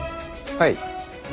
はい。